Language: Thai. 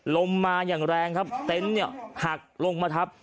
ลมมาอย่างแรงครับเต็นต์หักลงมาครับ